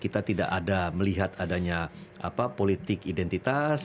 kita tidak ada melihat adanya politik identitas